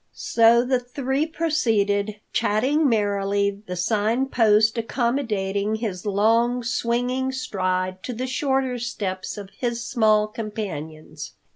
So the three proceeded, chatting merrily, the Sign Post accommodating his long, swinging stride to the shorter steps of his small companions.